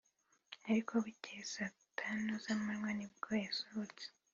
ariko bukeye saa tanu z’amanywa ni bwo yasohotse